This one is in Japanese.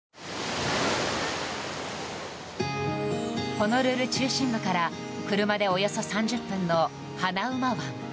ホノルル中心部から車でおよそ３０分のハナウマ湾。